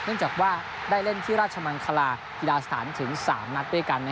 เนื่องจากว่าได้เล่นที่ราชมังคลากีฬาสถานถึง๓นัดด้วยกัน